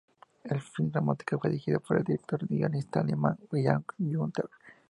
El film dramático fue dirigido por el director y guionista alemán Egon Günther.